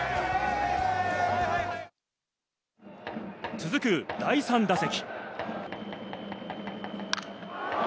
続く第３打席。